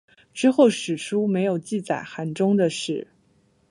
之后史书没有记载韩忠的事。